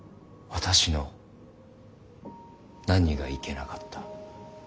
私の何がいけなかった。